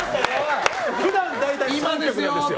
普段、大体そうなんですよ。